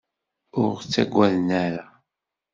Ur ɣ-ttagaden ara.